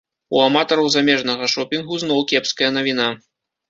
У аматараў замежнага шопінгу зноў кепская навіна.